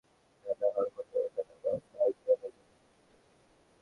মাসের বিভিন্ন সময় নারীদের রক্তে নানা হরমোনের ওঠানামা মাইগ্রেনের জন্য কিছুটা দায়ী।